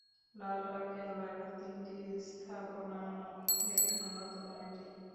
লালবাগ কেল্লার তিনটি স্থাপনার মধ্যে অন্যতম এটি।